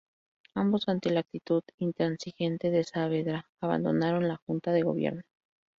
Ambos, ante la actitud intransigente de Saavedra, abandonaron la Junta de Gobierno.